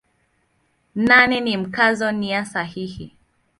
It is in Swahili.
Nane ni Mkazo nia sahihi.